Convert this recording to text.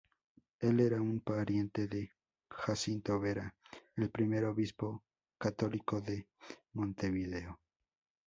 Él era un pariente de Jacinto Vera, el primer obispo católico de Montevideo.